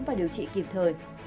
và điều trị kịp thời